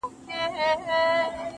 زړه تا دا كيسه شــــــــــروع كــړه.